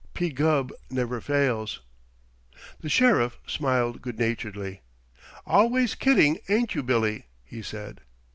P. Gubb never fails." The Sheriff smiled good naturedly. "Always kidding, ain't you, Billy," he said.